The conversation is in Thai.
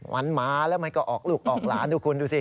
มันหมาแล้วมันก็ออกลูกออกหลานดูคุณดูสิ